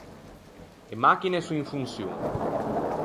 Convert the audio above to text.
E machine son in fonçion.